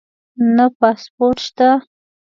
نه پاسپورټ شته